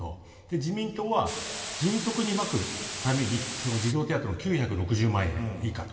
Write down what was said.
自民党は、迅速にまくために児童手当の９６０万円以下と。